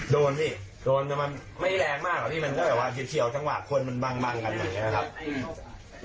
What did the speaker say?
โดนสิโดนจะมันไม่แรงมากที่มันก็แบบฮาเจ็บเฉียวจะมัฒคนมันบางแบบนี้นะครับ